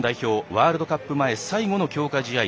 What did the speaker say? ワールドカップ前最後の強化試合